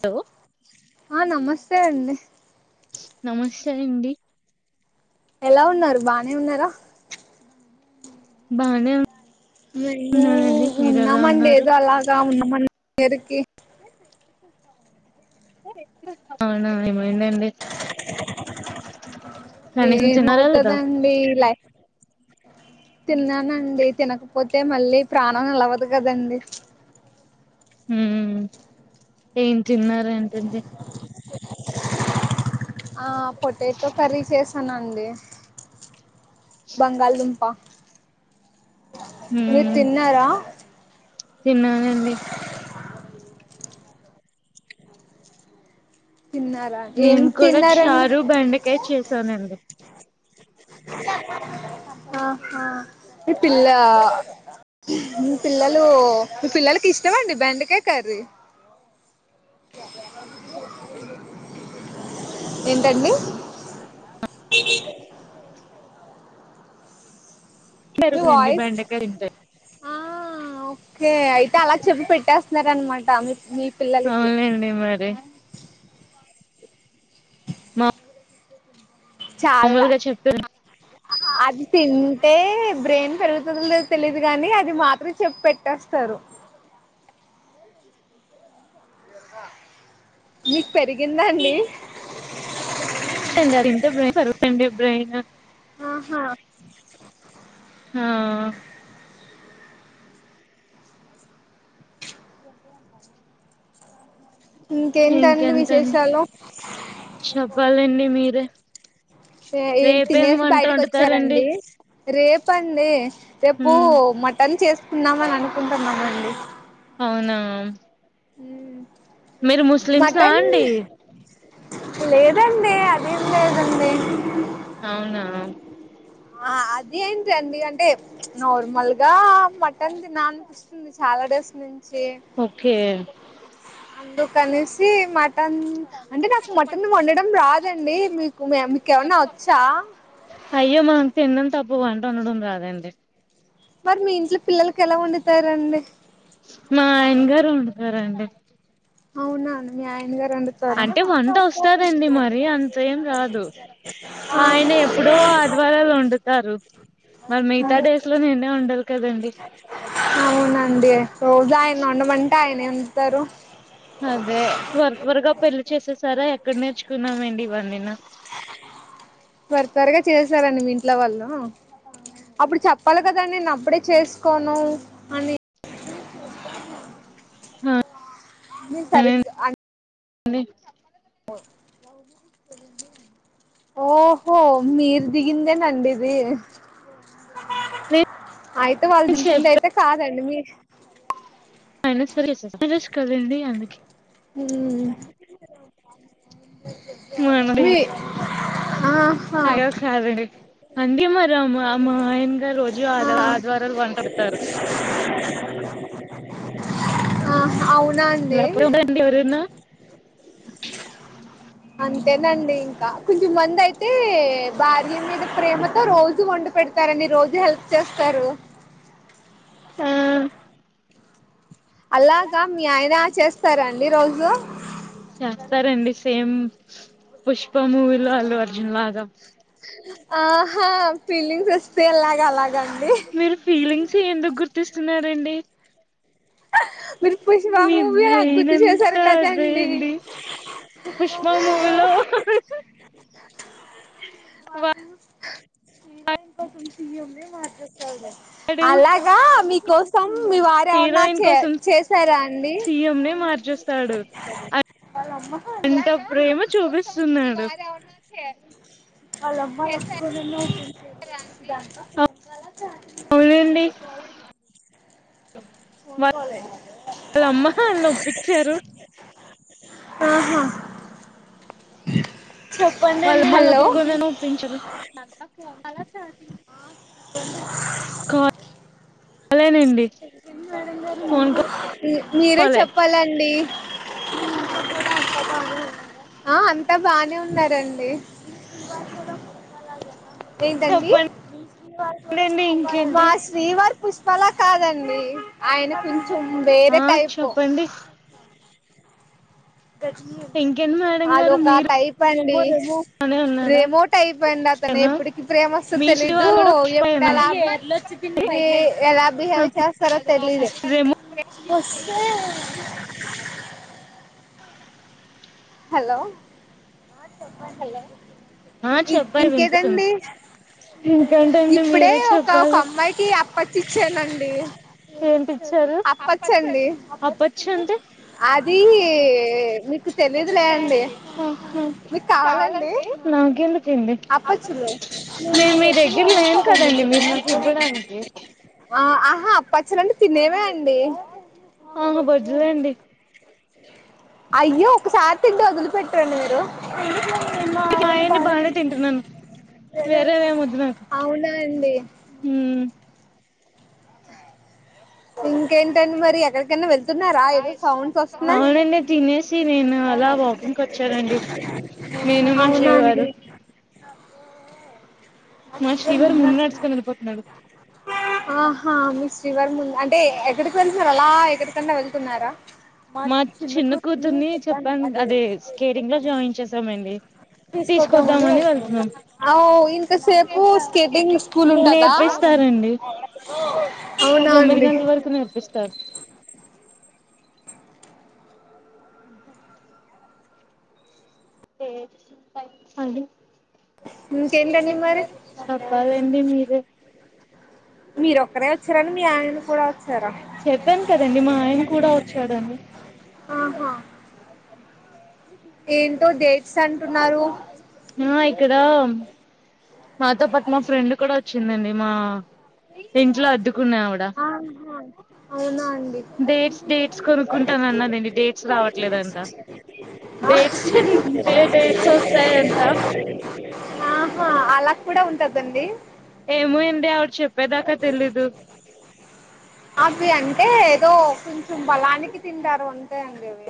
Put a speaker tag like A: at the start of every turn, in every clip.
A: హాల్లో
B: ఆ నమస్తే అండి
A: నమస్తే అండి
B: ఎలా ఉన్నారు బానే ఉన్నారా
A: బానే
B: [unintelligible] ఉన్నామండి ఏదో అలాగా ఉన్నామం పేరుకి
A: అవునా ఏమైందండి
B: ఏమ్ అవుతదండి ఇల తిన్నానండి తినకపోతే మళ్ళీ ప్రాణం నిలవదు కదండి
A: మ్ ఏం తిన్నారెంటండి
B: ఆ పొటాటో కర్రీ చేసానండి బంగాల్ దుంపా మీరు తిన్నారా
A: తిన్నానండి నేను కూడా చారు బెండకాయ చేశానండి
B: ఆహా మీ పిల్ల మీ పిల్లలు మీ పిల్లలకి ఇష్టమండి బెండకాయ కర్రీ ఏంటండి మీ వాయిస్ ఆ ఆ ఔ కే అయితే అలా చెపి పెట్టేస్తన్నారనమాట మీ మీ పిల్లలకి
A: మా మామూలుగా చెప్పాను
B: అది తింటే బ్రెయిన్ పెరుగుతుందో లేదో తెలిదు కాగాని అది మాత్రం చెప్పి పెట్టేస్తారు మీకు పెరిగిందా అండి
A: అది తింటె బ్రెయిన్ పెరు [unintelligible] అండి బ్రెయిన్
B: ఆహా
A: ఆ
B: ఇంకేంటండి విశేషాలు తినేసి బయటకొచ్చారండి రేపండి రేపు మటన్ చేసి ఉన్నామని అనుకుంటున్నామండి
A: అవునా మీరు ముస్లిమ్స్ ఆ అండి
B: లేదండి అదేం లేదండి
A: అవునా
B: ఆ అది ఏంటండి అంటే నార్మల్ గా మటన్ తినాలనిపిస్తుంది చాలా డేస్ నిం
A: ఓకే
B: అందుకనేసి మ టన్ అంటే నాకు మటన్ వండడం రాదండి మీకు మీకేమన్నా వచ్చా
A: అయ్యో మనం తినడం తప్ప వంట వండడం రాదండి
B: మరి మీ ఇంట్లో పిల్లలకు ఎలా వండుతారండి
A: మా ఆయన గారు వండుతారండి
B: అవునా మీ ఆయన గా అ [unintelligible] అవునండి రోజూ ఆయన్నొండమంటే ఏం తారు
A: అదే త్వర త్వరగా పెళ్లి చేసేసారా ఎక్కడ నేర్చుకున్నామండి ఇవన్నీను
B: త్వరగా చేశారండి మీ ఇంట్లో వాళ్ళు అప్పుడు చెప్పాలి కదండి నేను అప్పుడే చేసుకోను అని
A: హ
B: మీరు సరిగ్గ [unintelligible]
A: [unintelligible]
B: ఓహో మీరు దిగిందేనండిది అయితే వాళ్ళు దించింది అయితే కాదండి మీ
A: అయినా సరే సర్ప్రైజ్ కదండి అందుకే
B: హ్మ్ వీ
A: [unintelligible] అండి మరి అమ్మ మా ఆయన్ గారు రోజు ఆది ఆదివారాలు వంట వండుతారు లేకపోతే రండి ఎవరన్నా
B: అంతేనండి ఇంక కొంచెం మంది అయితే భార్య మీద ప్రేమతో రోజు వండిపెడతారండి రోజు హెల్ప్ చేస్తారు
A: ఆ.
B: అలాగా మీ ఆయన చేస్తారా అండి రోజు
A: పుష్ ప మూవిలో అళ్లుు అర్జున్ లాగా
B: ఆహా పీలింగ్స్ ఓస్తే ఎలాగ అలాగ అం
A: మీరు ఫీలింగ్స్ ఎందుకు గుర్తిస్తున్నారండి
B: ఆ మీరు పుష్ప మూవి నా గుర్తు చేసారు కదండి హీరోయిన్ కోసం సీఎంనే మార్చేశా అలాగా మీకోసం ఉమ్ మీ వారె ఏమన్నా చేసారా అండి
A: అవునండి
B: ఫన్ కాల్ హే ఆహా
A: వాళ్ళ అమ్ములు ఒప్పుకోలేదు కానీ ఒప్పించారు స
B: [unintelligible] మీరే చెప్పాలండి ఆ అంత అంతా బానే ఉన్నారండి [inaudible] ఏంటండి మా శ్రీవారి పుష్పల కాదండి ఆయన కొంచెం వేరే టైపు అదొక టైప్ అండి రేమోట్ అయిపోయింది అతను ఎప్పటికి ప్రేమ వస్తదో తెలీదు ఎప్పుడు ఎలా ఎలా బిహేవ్ చేస్తారో తెలిదు హలో ఇంకేదండి ఇప్పుడే ఒక ఒకఅమ్మాయికి అప్పచ్చిచ్చేనండి ది అప్పచ్చండి అదీ మీకు
A: నాకెందుకండి నేను మీ దగ్గర లేను కదండి మీరు నాకు ఇవ్వడానికి
B: ఆ ఆహా అపచ్చలండి తినేవే అండి అయ్యో కార్తిక్ ని వదిలిపెట్టండి మీరు
A: మా ఆయన్ని బానే తింటున్నాను వేరేవేమి వద్దు నాకు హ్మ్
B: ఇంకేంటండి మరి ఎక్కడికన్నా వెళ్తున్నారా ఏదో సౌండ్స్ వస్తున్నాయి అవునాండి
A: మా శ్రీవారు ముందు నడ్స్కొని వెళ్లిపోతున్నాడు
B: ఆహా మీ శ్రీవారు ముం అంటే ఎక్కడికి వెళ్తున్నారు అలా ఎక్కడికన్నా వెళ్ కున్నారా ఔ ఇంతసేపు స్కేటింగ్ స్కూల్ ఉంటందా అవునా అండి
A: [unintelligible] వరకు నేర్పిస్తారు ఏజ్ ఫస్ట్ అడి
B: ఇంకేంటండి మరి మీరొక్కరే వచ్చారండి మీ ఆయన కూడా వచ్చి ఆహా ఏంటో దేట్
A: ఆ ఇక్కడ మాతో పాటు మా ఫ్రెండ్ కూడా వచ్చిందండి మా ఇంట్లో అద్దెకునే ఆవిడ
B: [unintelligible] అ అలాక్ కూడా ఉంటదండి
A: ఏమో ఏండి ఆవిడ చెప్పేదాకా తెలీదు.
B: సి అంటే ఏదో కొంచెం బలానికి తింటారు అంతే అండి అవి.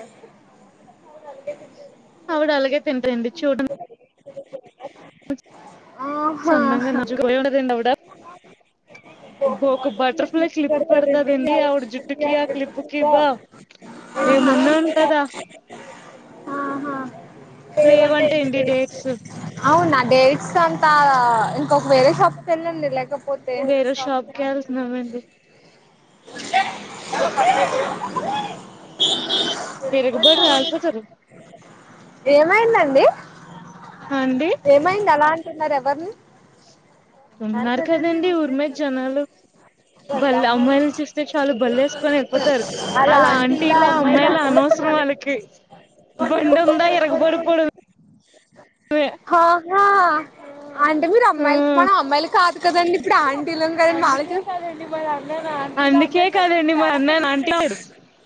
A: అవిడ అలాగే తింటదండి చూడం సన్నంగా నాజుగ్గా ఉంటదండి ఆవిడ ఒక బటర్ఫ్లై క్లిప్ పెడతాదండి ఆవిడ జుట్టుకి ఆ క్లిప్కి బా ఏమన్నా ఉంటదా లేవంటండీ డేట్స్.
B: డేట్స్ ఆ టారా వేరే షాప్కి వెళ్ళండి లేకపోతే [unintelligible]
A: టిరగ బడ రాల్పోతారు.
B: ఏమైందండి ఏమయింద ఆలా అంటున్నారు ఎవరిని హ ఆ అంటే మీరు అమ్మాయిలకి మన అమ్మాయిలు కా కదండడి ఇప్పుడు ఆంటీలో కద మాళ్ళ చూసాండి మరి.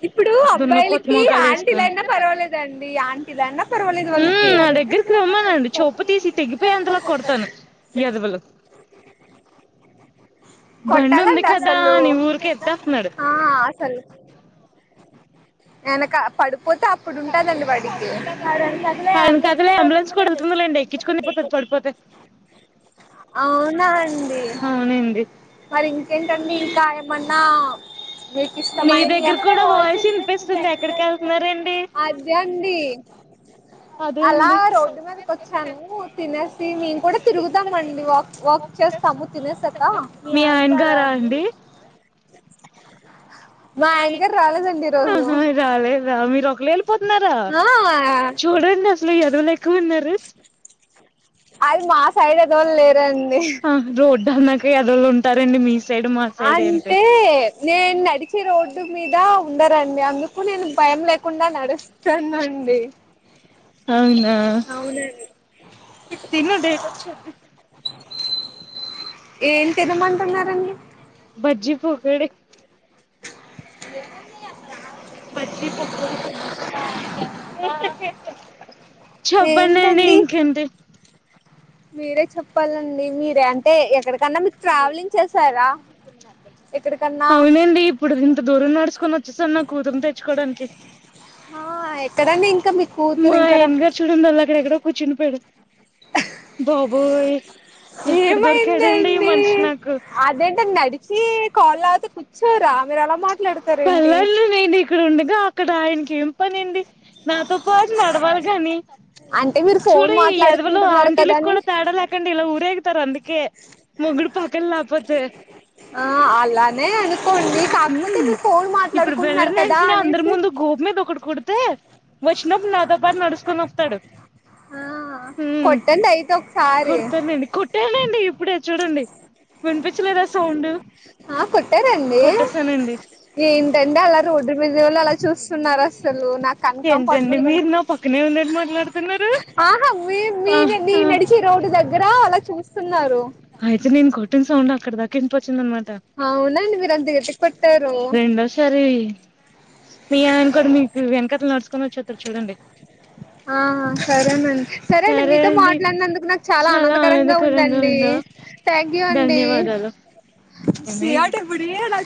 B: ఇప్పుడు అబ్బయిలకి ఆంటీలయినా పర్వాలదుండి ఆంటీలయినా పర్వాలేదు వాళ్ళకి.
A: అంతలో కొడతాను యాదవలు
B: కొట్టాలండి అసలు ఆ ఎనక పడు పోతే అప్పుడు ఉంటాందండి వాడికి. అవునా అండి మరి ఇంకేంటండి ఇంకా ఏమన్నా. అదే అండి అలా రోడ్డు మీదకి వచ్చాను తినే మేము కూడా తిరుగుతము అండి వాక్ వాక్ చేస్తాము తినేసాక.
A: ఆహా రాలేదు మీరు ఒకళ వెళ్ళిపోతున్నారా చూడండి అసలు ఎదువలు ఎక్కువ ఉన్నారు.
B: అది మా సైడ్ ఎదవలు లేరండి అంటే నేను నడిచే రోడ్డు మీద ఉండరండి అందుకు నేను భయం లేకుండా నడుస్తానండి అవునండి.
A: ఇది తిను డేట్ వచేధీ
B: ఏం తినమంటున్నారండి
A: భజ్జీ పకోడి చేపండండి ఇంకేంటి
B: మీరే చప్పల్ మీర అంటే ఎక్కడకన్నా మీరు ట్రావెలింగ్ చేస్తారా ఏకడకన్న
A: మా ఆయన గారు చూడండిల్ళ అక్కడ ఎక్కడో కూర్చుండిపోయాడు బాబోయ్ ఎక్కడ దొరికాడండి ఈ మనిషి నాకు అదేంటి నడిచీ కళ్ళులగితే కూర్చొర మీరు అలా మాట్లాడతారు పెళ్ళాని నేను ఇక్కడ ఉండగా అక్కడ ఆయనకి ఏం పనండి
B: అంటే మీరు ఫోన్ మాట్లాడుకుంటున్నారు ఇదాడక్కడ పొ పక్కకపో ఆ అలానే అనుకోండి కాకపోతే మీ ఫోన్ మాట్లాడుకుంటున్నారు కదా అనేసి ఆ ట్టండి అయితే ఒకసారిట్టడిలే కొట్టారండి డి ఏంటండి అలా రోడు మీదవోలు అల చూస్తున్నారు అసాలు నాకు ఆన్కంఫోర్టబుల్ గా ఉంది ఆహ మీ నడిచే రోడ్ దగ్గర అలా చూస్తున్నారు అవునండి మీర్
A: ఎక్కడ పెట్టారు రెండోసారి మీ ఆయన కూడా మీకు వెనకట్లు నడుచుకొని వచ్చేతారు చూడండి సరే.
B: మీతో మాట్లాడినందుకు నాకు చాలా ఆనందకరంగా ఉందండి థ్యాంక్ యూ అండి. సయాట బడేడా